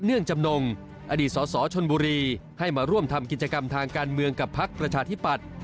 ื่องจำนงอดีตสสชนบุรีให้มาร่วมทำกิจกรรมทางการเมืองกับพักประชาธิปัตย์